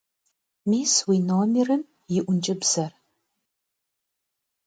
Mis vui nomêrım yi 'unç'ıbzer.